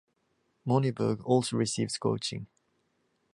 Moneyberg also receives coaching.